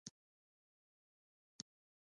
د کونړ په غازي اباد کې د سمنټو مواد شته.